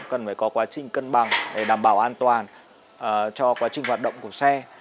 cần phải có quá trình cân bằng để đảm bảo an toàn cho quá trình hoạt động của xe